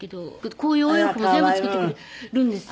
こういうお洋服も全部作ってくれるんですよ。